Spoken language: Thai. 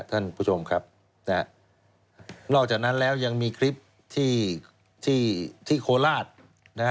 ท่านผู้ชมครับนะฮะนอกจากนั้นแล้วยังมีคลิปที่ที่โคราชนะฮะ